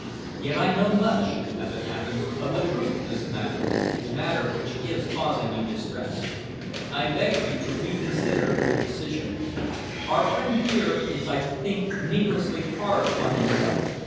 Yet I know much, as it happens, of the truth of this matter, the matter which is causing you distress. I beg you to reconsider your decision. Our friend here is, I think, needlessly hard upon himself.